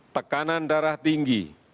tekanan darah tinggi